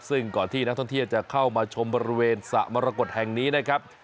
ซึ่งก่อนที่นักท่องเที่ยวจะเข้ามาชมบริเวณสระมรกฏแห่งนี้นะครับ